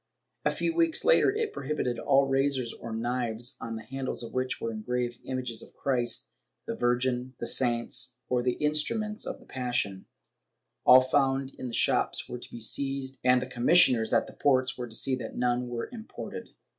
A few weeks later it prohibited all razors or knives on the handles of which were engraved images of Christ, the Virgin, the saints or the instru ments of the Passion ; all found in the shops were to be seized, and the commissioners at the ports were to see that none were imported.